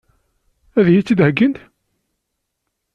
Ad iyi-tt-id-heggint?